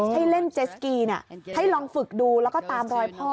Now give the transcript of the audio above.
ให้เล่นเจสกีให้ลองฝึกดูแล้วก็ตามรอยพ่อ